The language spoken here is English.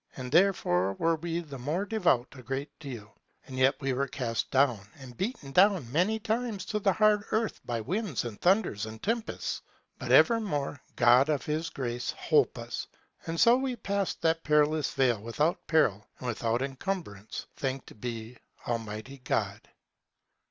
And therefore were we the more devout a great deal. And yet we were cast down, and beaten down many times to the hard earth by winds and thunders and tempests. But evermore God of his grace holp us. And so we passed that perilous vale without peril and without encumbrance, thanked be Almighty God.